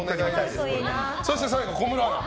そして最後、小室アナ。